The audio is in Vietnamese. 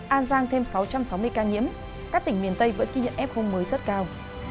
an giang thêm sáu trăm sáu mươi ca nhiễm các tỉnh miền tây vẫn ghi nhận f mới rất cao